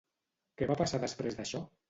Què va passar després d'això?